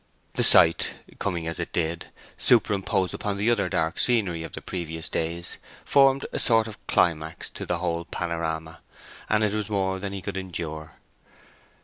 The sight, coming as it did, superimposed upon the other dark scenery of the previous days, formed a sort of climax to the whole panorama, and it was more than he could endure.